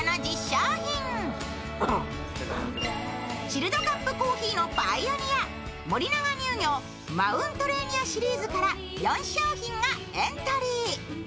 チルドカップコーヒーのパイオニア、森永乳業マウントレーニアシリーズから４商品がエントリー。